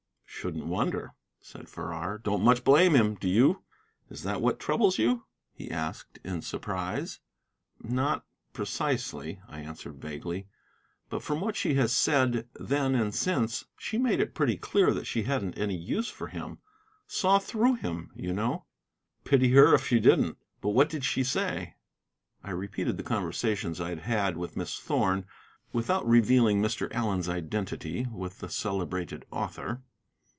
"Shouldn't wonder," said Farrar. "Don't much blame him, do you? Is that what troubles you?" he asked, in surprise. "Not precisely," I answered vaguely; "but from what she has said then and since, she made it pretty clear that she hadn't any use for him; saw through him, you know." "Pity her if she didn't. But what did she say?" I repeated the conversations I had had with Miss Thorn, without revealing Mr. Allen's identity with the celebrated author.